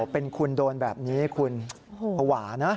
เป็นคุณโดนแบบนี้คุณภาวะนะ